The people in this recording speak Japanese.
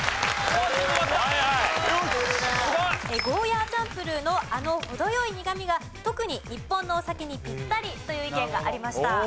ゴーヤーチャンプルーのあの程良い苦みが特に日本のお酒にピッタリという意見がありました。